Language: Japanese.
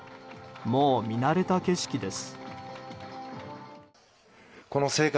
もう、見慣れた景色です。